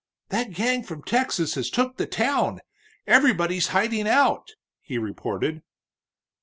"That gang from Texas has took the town everybody's hidin' out," he reported.